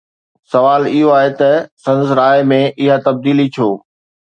سوال اهو آهي ته سندس راءِ ۾ اها تبديلي ڇو؟